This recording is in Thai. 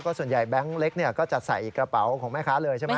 ส่วนใหญ่แบงค์เล็กก็จะใส่กระเป๋าของแม่ค้าเลยใช่ไหม